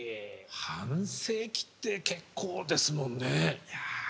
半世紀って結構ですもんね。